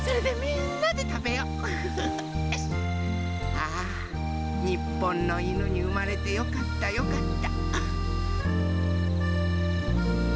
ああにっぽんのいぬにうまれてよかったよかった。